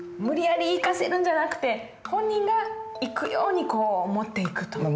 無理やり行かせるんじゃなくて本人が行くようにこう持っていくと。